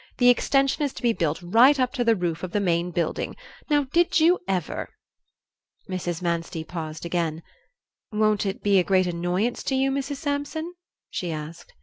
The extension is to be built right up to the roof of the main building; now, did you ever?" Mrs. Manstey paused again. "Won't it be a great annoyance to you, Mrs. Sampson?" she asked.